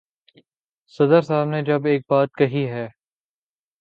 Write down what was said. صدر صاحب نے جب ایک بات کہی ہے۔